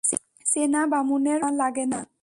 চেনা বামুনের পৈতা লাগে না।